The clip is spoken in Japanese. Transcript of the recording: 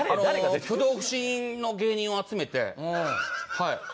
あの挙動不審の芸人を集めてはい。